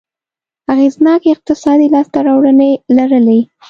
اغېزناکې اقتصادي لاسته راوړنې لرلې.